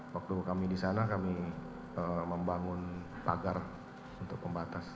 waktu kami di sana kami membangun pagar untuk pembatas